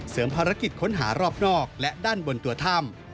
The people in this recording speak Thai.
ภารกิจค้นหารอบนอกและด้านบนตัวถ้ำ